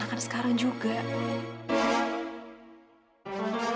saatnya kalau agah jadi orang asli selesai